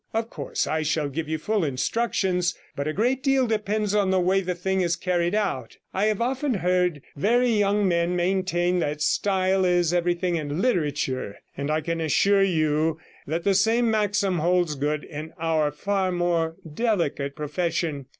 Of course I shall give you full instructions, but a great deal depends on the way the thing is carried out. I have often heard very young men maintain that style is everything in literature, and I can assure you that the same maxim holds good in our far more delicate profession.